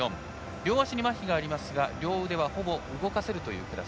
両足にまひがありますが両腕はほぼ動かせるというクラス。